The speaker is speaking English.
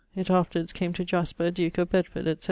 It afterwards came to Jasper, duke of Bedford, etc.